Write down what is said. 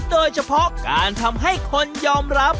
โดยเฉพาะการทำให้คนยอมรับ